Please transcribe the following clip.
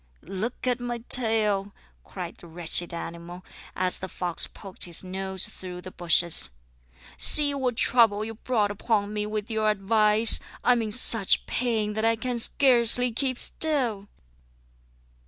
"Look at my tail," cried the wretched animal, as the fox poked his nose through the bushes. "See what trouble you brought upon me with your advice! I am in such pain that I can scarcely keep still."